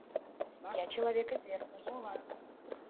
Я человек известный.